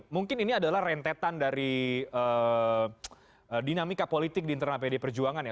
mungkin ini adalah rentetan dari dinamika politik di internal pdi perjuangan ya